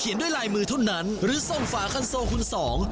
ด้วยลายมือเท่านั้นหรือส่งฝาคันโซคุณสอง